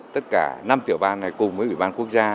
tất cả năm tiểu ban này cùng với ủy ban quốc gia